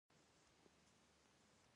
په میلیونونو کیلومترو په مساحت موجود و.